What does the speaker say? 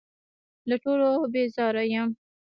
له ټولو بېزاره یم .